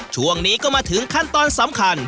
ช่วงนี้ก็มาถึงขั้นตอนสำคัญ